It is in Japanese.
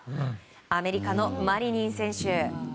アメリカのマリニン選手。